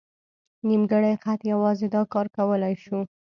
نیمګړی خط یوازې دا کار کولی شو.